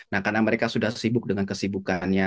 nah karena mereka sudah sibuk dengan kesibukannya